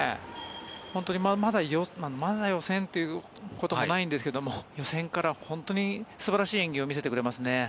本当にまだ予選ということもないんですけど予選から本当に素晴らしい演技を見せてくれますね。